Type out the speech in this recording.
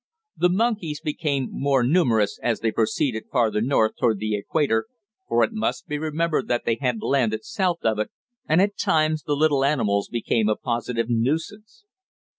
The monkeys became more numerous as they proceeded farther north toward the equator, for it must be remembered that they had landed south of it, and at times the little animals became a positive nuisance.